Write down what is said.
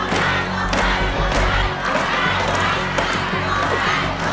ธรรพุทธรพงศ์ยังยอม